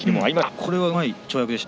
これはうまい跳躍でした。